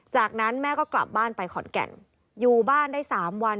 จากนั้นแม่ก็กลับบ้านไปขอนแก่นอยู่บ้านได้๓วัน